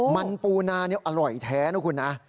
มันปูนานี่อร่อยแท้นะคุณนะ